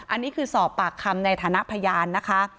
อันนี้คือสอบปากคำในฐานะพยานนะคะ